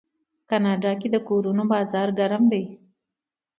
د کاناډا د کورونو بازار ګرم دی.